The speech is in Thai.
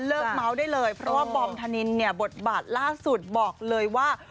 เมาส์ได้เลยเพราะว่าบอมธนินเนี่ยบทบาทล่าสุดบอกเลยว่า